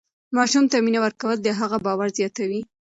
ماشوم ته مینه ورکول د هغه باور زیاتوي.